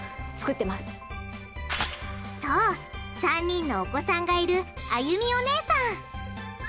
そう３人のお子さんがいるあゆみおねえさん。